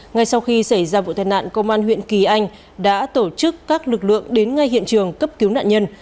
ngay sau khi xảy ra vụ tai nạn công an huyện kỳ anh đã tổ chức các lực lượng đến ngay hiện trường cấp cứu nạn nhân